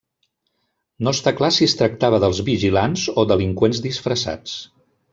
No està clar si es tractava dels vigilants o delinqüents disfressats.